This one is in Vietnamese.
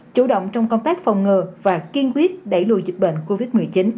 chủ động trong công tác phòng ngừa và kiên quyết đẩy lùi dịch bệnh covid một mươi chín